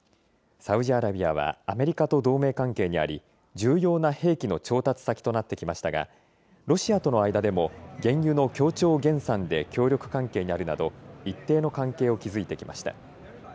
サウジアラビアはアメリカと同盟関係にあり、重要な兵器の調達先となってきましたが、ロシアとの間でも、原油の協調減産で協力関係にあるなど、一定の関係を築いてきました。